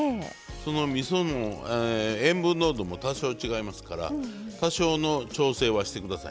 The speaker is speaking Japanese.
そのみそも塩分濃度も多少違いますから多少の調整はしてくださいね。